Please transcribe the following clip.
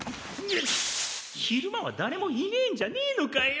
ひるまはだれもいねえんじゃねえのかよ！